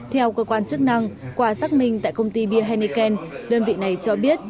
theo cơ quan chức năng qua xác minh tại công ty bia henneken đơn vị này cho biết